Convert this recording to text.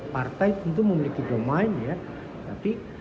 partai tentu memiliki domain ya